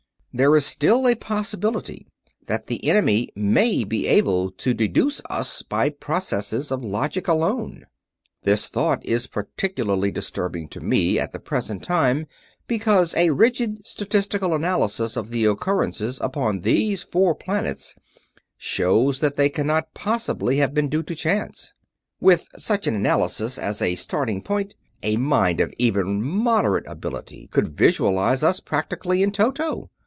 There is still a possibility that the enemy may be able to deduce us by processes of logic alone. This thought is particularly disturbing to me at the present time because a rigid statistical analysis of the occurrences upon those four planets shows that they cannot possibly have been due to chance. With such an analysis as a starting point, a mind of even moderate ability could visualize us practically in toto.